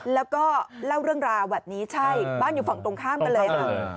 แล้วก็เล่าเรื่องราวแบบนี้ใช่บ้านอยู่ฝั่งตรงข้ามกันเลยค่ะ